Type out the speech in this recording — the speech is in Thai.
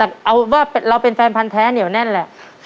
เอาว่าเราเป็นแฟนพันธ์แท้เหนียวแน่นแหละ